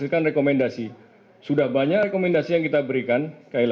kebetulan saya juga dikutip lokasi ketika itu